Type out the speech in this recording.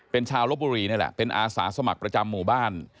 เป็นชาวลบบุรีนี่แหละเป็นอาสาสมัครประจำหมู่บ้าน